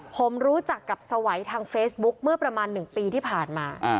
ผมรู้จักกับสวัยทางเฟซบุ๊กเมื่อประมาณ๑ปีที่ผ่านมา